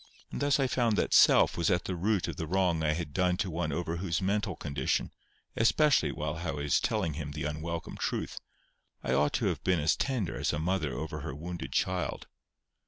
And thus I found that self was at the root of the wrong I had done to one over whose mental condition, especially while I was telling him the unwelcome truth, I ought to have been as tender as a mother over her wounded child.